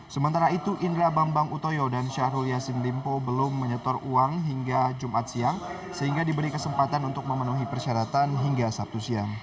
sementara itu indra bambang utoyo dan syahrul yassin limpo belum menyetor uang hingga jumat siang sehingga diberi kesempatan untuk memenuhi persyaratan hingga sabtu siang